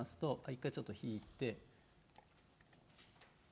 一回ちょっと引いて。